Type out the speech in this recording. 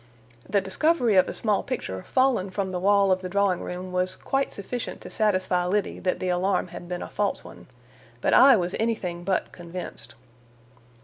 The discovery of a small picture fallen from the wall of the drawing room was quite sufficient to satisfy Liddy that the alarm had been a false one, but I was anything but convinced.